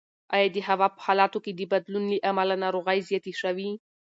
ایا د هوا په حالاتو کې د بدلون له امله ناروغۍ زیاتې شوي؟